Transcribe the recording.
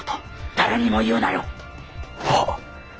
誰にも言うなよ。ははっ。